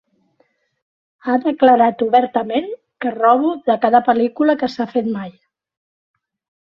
Ha declarat obertament que robo de cada pel·lícula que s'ha fet mai.